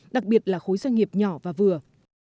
đặc biệt là khối doanh nghiệp nhỏ và vừa